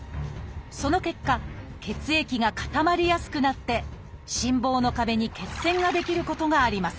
その結果血液が固まりやすくなって心房の壁に血栓が出来ることがあります。